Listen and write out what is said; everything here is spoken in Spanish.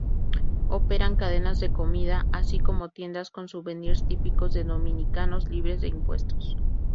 Operan cadenas de comida, así como tiendas con souvenirs típicos dominicanos libres de impuestos.